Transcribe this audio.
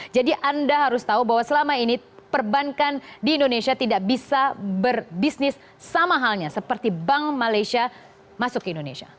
jadi anda harus tahu bahwa selama ini perbankan di indonesia tidak bisa berbisnis sama halnya seperti bank malaysia masuk ke indonesia